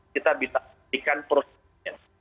kita bisa menjaga prosesnya